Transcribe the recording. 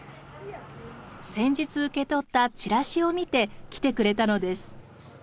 先日受け取ったチラシを見て来てくれたのです。